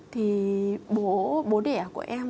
thì bố đẻ của em